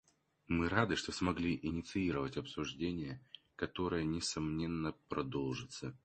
Мы рады, что смогли инициировать обсуждение, которое, несомненно, продолжится.